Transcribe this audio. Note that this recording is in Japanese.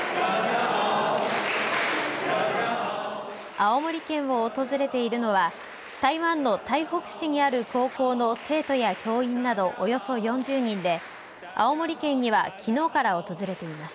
青森県を訪れているのは台湾の台北市にある高校の生徒や教員などおよそ４０人で青森県にはきのうから訪れています。